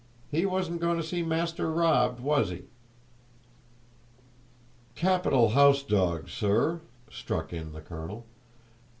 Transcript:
He wasn't going to see master robbed was he?" "Capital house dog, sir," struck in the colonel.